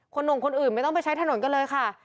หนุ่มคนอื่นไม่ต้องไปใช้ถนนกันเลยค่ะ